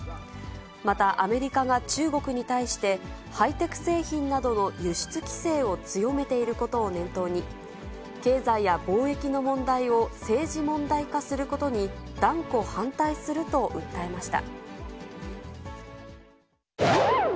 またアメリカが中国に対して、ハイテク製品などの輸出規制を強めていることを念頭に、経済や貿易の問題を政治問題化することに断固反対すると訴えました。